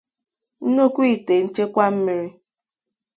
nnukwu itè nchekwa mmiri